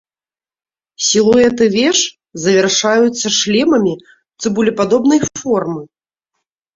Сілуэты веж завяршаюцца шлемамі цыбулепадобнай формы.